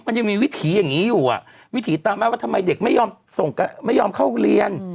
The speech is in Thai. มันยังมีวิถีอย่างนี้อยู่วิถีตามมาว่าทำไมเด็กไม่ยอมเข้าเรียน